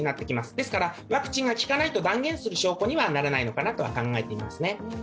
ですからワクチンが効かないと断言する証拠にはならないのかなと考えています。